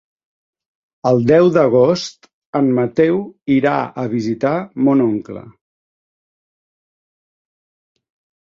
El deu d'agost en Mateu irà a visitar mon oncle.